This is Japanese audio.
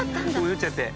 「酔っちゃって」